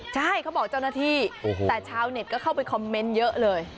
ใช่เขาบอกเจ้าหน้าที่แต่ชาวเน็ตก็เข้าไปคอมเมนต์เยอะเลย